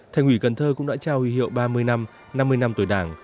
thành ủy cần thơ cũng đã trao huy hiệu ba mươi năm năm mươi năm tuổi đảng